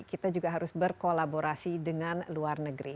kita juga harus berkolaborasi dengan luar negeri